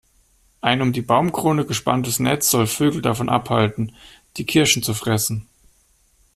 Ein um die Baumkrone gespanntes Netz soll Vögel davon abhalten, die Kirschen zu fressen.